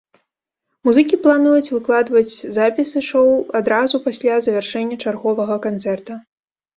Музыкі плануюць выкладваць запісы шоў адразу пасля завяршэння чарговага канцэрта.